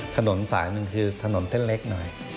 ถนนสายหนึ่งคือถนนเส้นเล็กหน่อย